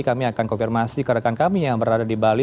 kami akan konfirmasi ke rekan kami yang berada di bali